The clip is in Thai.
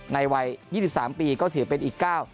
ในวัย๒๓ปีก็ถือเป็นอีกก้าว